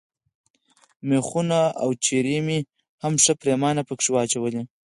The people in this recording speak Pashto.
مېخونه او چرې مې هم ښه پرېمانه پکښې واچول.